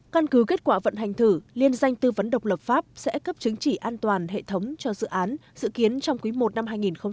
căn cứ kết quả vận hành thử liên danh tư vấn độc lập pháp sẽ cấp chứng chỉ an toàn hệ thống cho dự án dự kiến trong quý i năm hai nghìn hai mươi